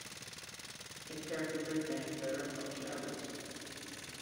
It serves the Brisbane suburb of Sherwood.